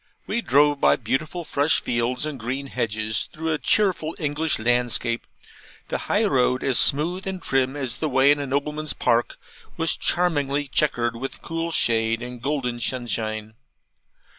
We drove by beautiful fresh fields and green hedges, through a cheerful English landscape; the high road, as smooth and trim as the way in a nobleman's park, was charmingly chequered with cool shade and golden sunshine.